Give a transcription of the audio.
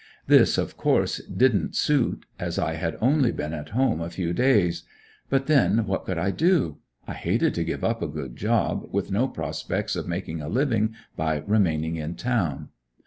This of course didn't suit, as I had only been at home a few days. But then what could I do? I hated to give up a good job, with no prospects of making a living by remaining in town.